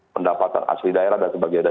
pendapatan asli daerah dan sebagainya